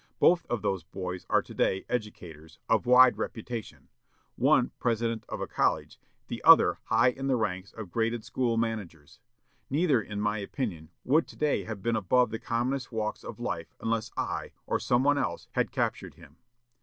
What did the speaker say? Both of those boys are to day educators, of wide reputation, one president of a college, the other high in the ranks of graded school managers. Neither, in my opinion, would to day have been above the commonest walks of life unless I, or some one else, had captured him.